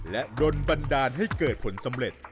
และโดนบันดาลให้เกิดผลสำเร็จ